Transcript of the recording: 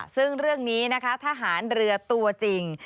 ซึ่งเรื่องนี้นะคะทหารเรือตัวจริง